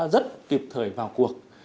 rất kịp thời vào cuộc